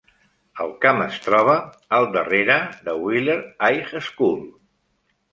El camp es troba al darrere de Wheeler High School.